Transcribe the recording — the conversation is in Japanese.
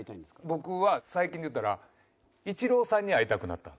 僕は最近でいったらイチローさんに会いたくなった。